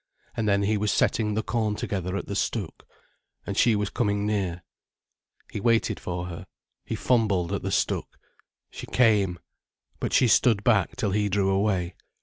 And then he was setting the corn together at the stook. And she was coming near. He waited for her, he fumbled at the stook. She came. But she stood back till he drew away.